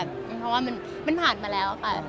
เพราะว่ามันผ่านมาแล้วค่ะ